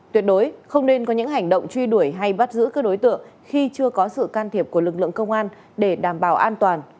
tuyệt đối không nên có những hành động truy đuổi hay bắt giữ các đối tượng khi chưa có sự can thiệp của lực lượng công an để đảm bảo an toàn